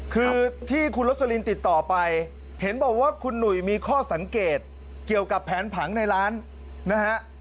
คือที่คุณรสลินติดต่อไปเห็นบอกว่าคุณหนุ่ยมีข้อสังเกตเกี่ยวกับแผนผังในร้านนะฮะ